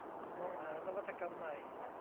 มองหานวัตกรรมใหม่